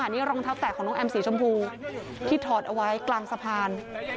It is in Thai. นี่รองเท้าแตะของน้องแอมสีชมพูที่ถอดเอาไว้กลางสะพาน